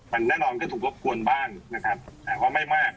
มันแน่นอนก็ถูกรบกวนบ้างนะครับแต่ว่าไม่มาก